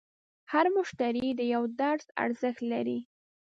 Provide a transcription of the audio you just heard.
هر مشتری د یوه درس ارزښت لري.